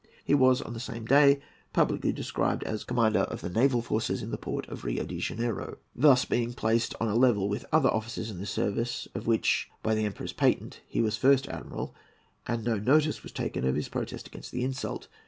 He was on the same day publicly described as "Commander of the Naval Forces in the Port of Rio de Janeiro," being thus placed on a level with other officers in the service of which, by the Emperor's patent, he was First Admiral, and no notice was taken of his protest against that insult.